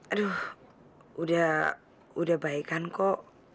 aduh udah baik kan kok